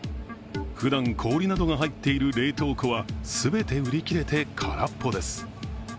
ふだん氷などが入っている冷凍庫は全て売り切れて空っぽです。